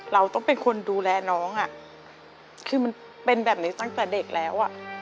เราต้องเป็นคนดูแลน้องคือมันเป็นแบบนี้ตั้งแต่เด็กแล้ว